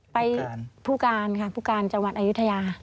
ผู้การค่ะผู้การจังหวัดอายุทยา